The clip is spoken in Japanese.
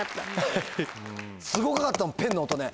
すごかったもんペンの音ね。